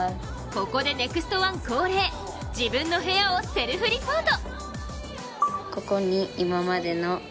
ここで「ＮＥＸＴ☆１」恒例自分の部屋をセルフリポート。